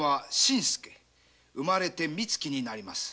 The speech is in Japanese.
「生まれてみつきになります。